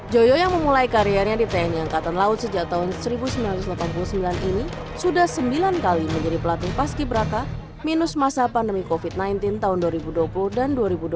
joyo yang memulai karirnya di tni angkatan laut sejak tahun seribu sembilan ratus delapan puluh sembilan ini sudah sembilan kali menjadi pelatih paski beraka minus masa pandemi covid sembilan belas tahun dua ribu dua puluh dan dua ribu dua puluh